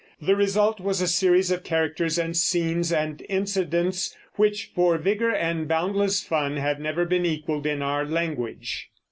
The result was a series of characters and scenes and incidents which for vigor and boundless fun have never been equaled in our language.